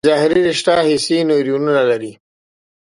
ظهري رشته حسي نیورونونه لري.